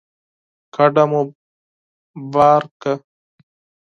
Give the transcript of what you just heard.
کډه مو بار کړه